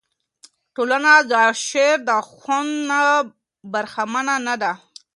ټولنه د شاعر د خوند نه برخمنه نه ده.